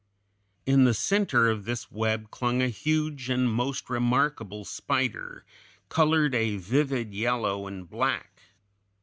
In the center of this web clung a huge and most remarkable spider, colored a vivid yellow and black.